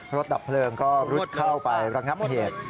ดับเพลิงก็รุดเข้าไประงับเหตุ